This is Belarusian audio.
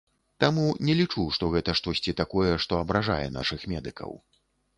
Таму не лічу, што гэта штосьці такое, што абражае нашых медыкаў.